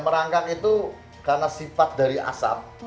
merangkak itu karena sifat dari asap